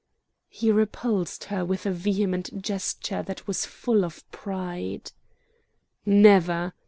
He repulsed her with a vehement gesture that was full of pride. "Never!